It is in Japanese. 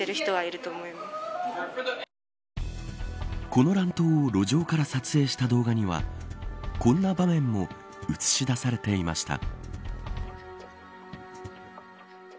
この乱闘を路上から撮影した動画にはこんな場面も映し出されていました。